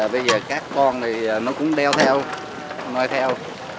bây giờ các con thì nó cũng đeo theo nói theo